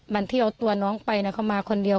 วันที่เอาตัวน้องไปเขามาคนเดียว